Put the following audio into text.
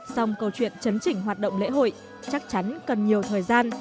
song câu chuyện chấn chỉnh hoạt động lễ hội chắc chắn cần nhiều thời gian